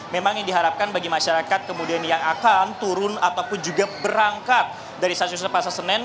memang yang diharapkan bagi masyarakat kemudian yang akan turun ataupun juga berangkat dari stasiun pasar senen